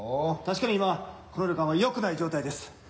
確かに今この旅館はよくない状態です。